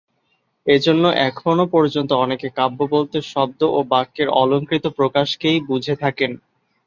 এজন্য এখনও পর্যন্ত অনেকে কাব্য বলতে শব্দ ও বাক্যের অলঙ্কৃত প্রকাশকেই বুঝে থাকেন।